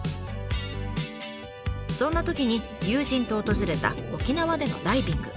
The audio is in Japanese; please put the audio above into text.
そんなときに友人と訪れた沖縄でのダイビング。